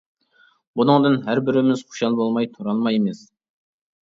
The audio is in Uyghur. بۇنىڭدىن ھەر بىرىمىز خۇشال بولماي تۇرالمايمىز.